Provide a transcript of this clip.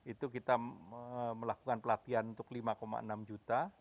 itu kita melakukan pelatihan untuk lima enam juta